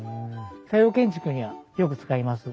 西洋建築にはよく使います。